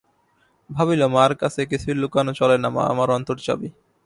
ভাবিল, মার কাছে কিছুই লুকানো চলে না, মা আমার অন্তর্যামী।